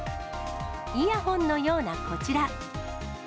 イヤホンのようなこちら。